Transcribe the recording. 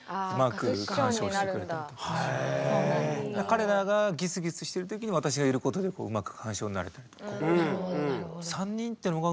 彼らがギスギスしてる時に私がいることでうまく緩衝になれたりとか。